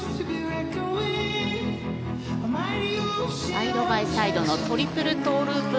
サイドバイサイドのトリプルトウループ。